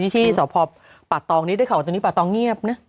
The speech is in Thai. ที่สตป่าตองนี่ได้เข่าว่าป่าตองเงียบรึไม่